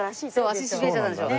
足しびれちゃったんでしょ？